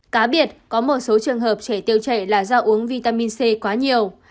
cá biệt có một số trường hợp trẻ tiêu chảy là do uống vitamin c quá nhiều